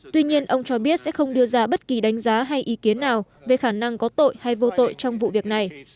tuy nhiên ông cho biết sẽ không đưa ra bất kỳ đánh giá hay ý kiến nào về khả năng có tội hay vô tội trong vụ việc này